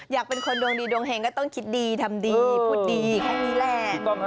อยากเป็นคนดวงดีดวงเฮงก็ต้องคิดดีทำดีพูดดีแค่นี้แหละ